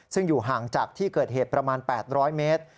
ซึ่งอยู่ห่างจากที่เกิดเหตุประมาณ๘๐๐เมตร